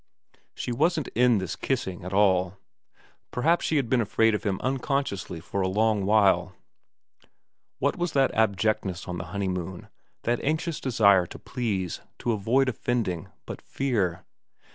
She wasn't in this kissing at all. Perhaps she had been afraid of him uncon sciously for a long while. What was that abjectness on the honeymoon, that anxious desire to please, to avoid offending, but fear